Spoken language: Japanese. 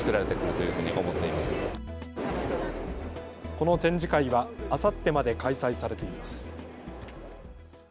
この展示会はあさってまで開催されています。